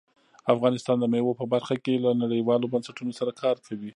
افغانستان د مېوو په برخه کې له نړیوالو بنسټونو سره کار کوي.